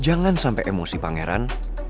jangan sampai emosi pangeran